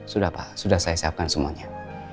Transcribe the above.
sudah pak sudah saya siapkan semuanya